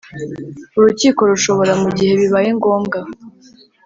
Urukiko rushobora mu gihe bibaye ngombwa